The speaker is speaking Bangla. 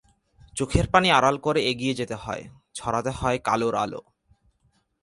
চোখের পানি আড়াল করে এগিয়ে যেতে হয়, ছড়াতে হয় কালোর আলো।